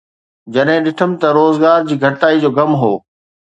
جڏهن ڏٺم ته روزگار جي گھٽتائي جو غم هو